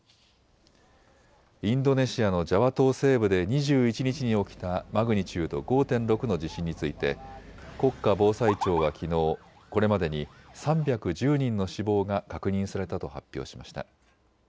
インドネシアのジャワ島西部で２１日に起きたマグニチュード５．６の地震について国家防災庁は、きのうこれまでに３１０人の死亡が確認されたと発表しました。